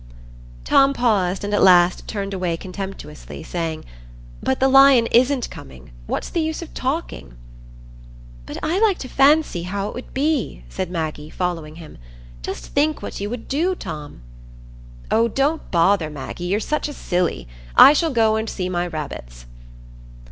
Tom paused, and at last turned away contemptuously, saying, "But the lion isn't coming. What's the use of talking?" "But I like to fancy how it would be," said Maggie, following him. "Just think what you would do, Tom." "Oh, don't bother, Maggie! you're such a silly. I shall go and see my rabbits."